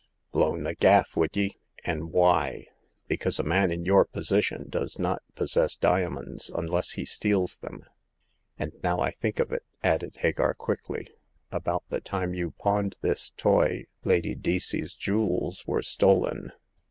Blown the gaff, would ye ? An' why ?"" Because a man in your position does not pos sess diamonds, unless he steals them. And now I think of it," added Hagar, quickly, " about the time you pawned this toy Lady Deacey's jewels were stolen.